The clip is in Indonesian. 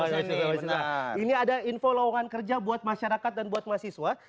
ini ada info lowongan kerja buat masyarakat dan buat mahasiswa